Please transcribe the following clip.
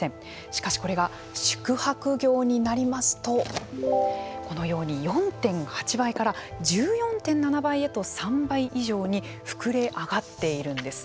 しかし、これが宿泊業になりますとこのように４．８倍から１４．７倍へと３倍以上に膨れ上がっているんです。